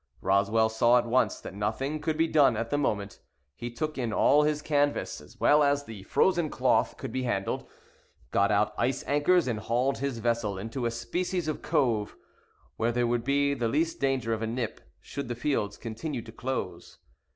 Roswell saw at once that nothing could be done at the moment. He took in all his canvas, as well as the frozen cloth could be handled, got out ice anchors, and hauled his vessel into a species of cove where there would be the least danger of a nip, should the fields continue to close.